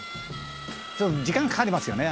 「ちょっと時間かかりますよね